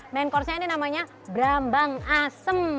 main course nya ini namanya brambang asem